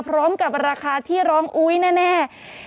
พร้อมกับราคาที่ร้องอุ๊ยแน่